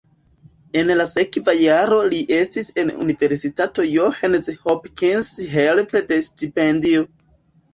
En la sekva jaro li estis en Universitato Johns Hopkins helpe de stipendio.